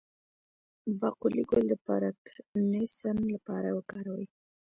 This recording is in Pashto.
د باقلي ګل د پارکنسن لپاره وکاروئ